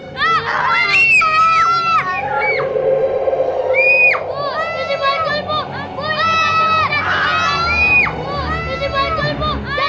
jangan lupa like share dan subscribe